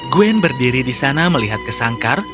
gwen berdiri di sana melihat ke sangkar